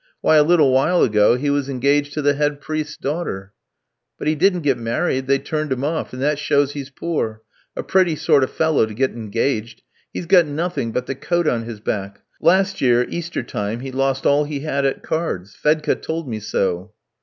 Why, a little while ago he was engaged to the head priest's daughter." "But he didn't get married; they turned him off, and that shows he's poor. A pretty sort of fellow to get engaged! He's got nothing but the coat on his back; last year, Easter time, he lost all he had at cards. Fedka told me so."